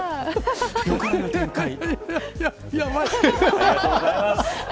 ありがとうございます。